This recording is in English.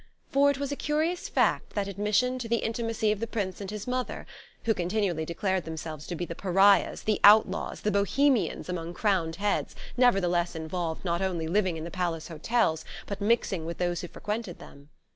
For it was a curious fact that admission to the intimacy of the Prince and his mother who continually declared themselves to be the pariahs, the outlaws, the Bohemians among crowned heads nevertheless involved not only living in Palace Hotels but mixing with those who frequented them.